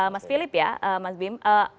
mas philip ya mas bim